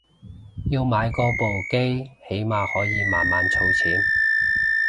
要買過部機起碼可以慢慢儲錢